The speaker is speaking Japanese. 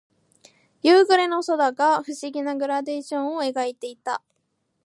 夕暮れの空が不思議なグラデーションを描いていた。